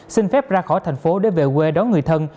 xin phép ra khỏi thành phố để về quê đón người thân